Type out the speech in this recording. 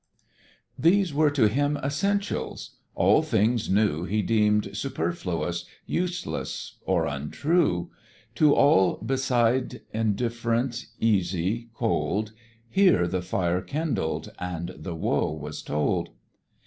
These were to him essentials; all things new He deemed superfluous, useless, or untrue: To all beside indifferent, easy, cold, Here the fire kindled, and the woe was told.